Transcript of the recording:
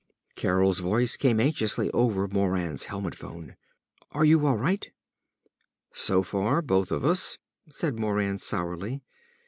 Carol's voice came anxiously into Moran's helmet phone; "Are you all right?" "So far, both of us," said Moran sourly.